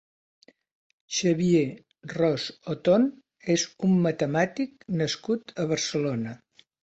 Xavier Ros-Oton és un matemàtic nascut a Barcelona.